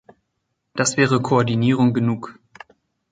Das wäre Koordinierung genug!